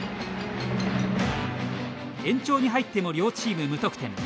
延長に入っても両チーム無得点。